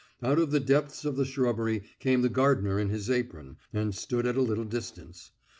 Out of the depths of the shrubbery came the gardener in his apron, and stood at a little distance.